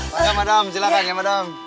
pak ya madam silahkan ya madam